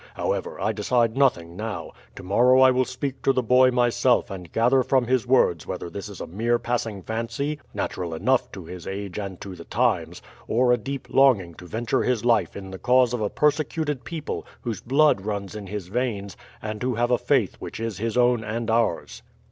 However, I decide nothing now; tomorrow I will speak to the boy myself and gather from his words whether this is a mere passing fancy, natural enough to his age and to the times, or a deep longing to venture his life in the cause of a persecuted people whose blood runs in his veins, and who have a faith which is his own and ours."